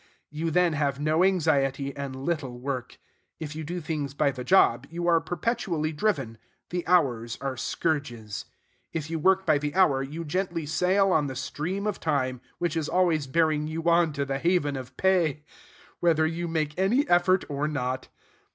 You then have no anxiety, and little work. If you do things by the job, you are perpetually driven: the hours are scourges. If you work by the hour, you gently sail on the stream of Time, which is always bearing you on to the haven of Pay, whether you make any effort, or not.